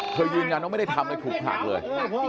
ยืนยันว่าไม่ได้ทำเลยถูกผลักเลย